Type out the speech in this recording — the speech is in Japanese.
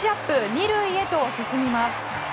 ２塁へと進みます。